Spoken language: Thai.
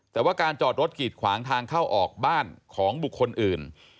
แต่ว่าการจอดรถกีดขวางทางเข้าออกบ้านของบุคคลอื่น